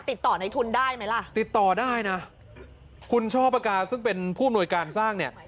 ติดต่อในทุนได้ไหมล่ะติดต่อได้นะคุณช่อปากกาซึ่งเป็นผู้อำนวยการสร้างเนี่ย